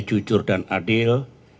jujur dan adil